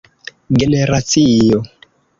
generacio